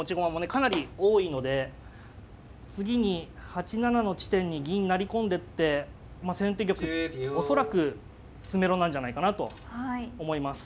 かなり多いので次に８七の地点に銀成り込んでってまあ先手玉恐らく詰めろなんじゃないかなと思います。